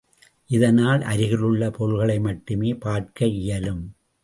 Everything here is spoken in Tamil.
இதனால் அருகிலுள்ள பொருள்களை மட்டுமே பார்க்க இயலும்.